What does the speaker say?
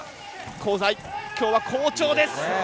香西、きょうは好調です。